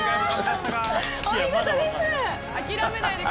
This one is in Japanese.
お見事です！